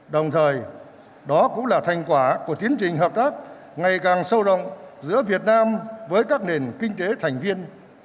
đồng thời đó cũng là thành quả của tiến trình hợp tác ngày càng sâu rộng giữa việt nam với các nền kinh tế thành viên